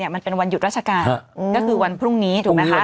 มันเป็นวันหยุดราชการก็คือวันพรุ่งนี้